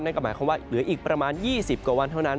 นั่นก็หมายความว่าเหลืออีกประมาณ๒๐กว่าวันเท่านั้น